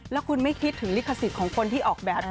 แล้วคุณไม่คิดถึงลิขสิทธิ์ของคนที่ออกแบบ